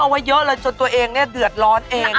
ไว้เยอะเลยจนตัวเองเนี่ยเดือดร้อนเอง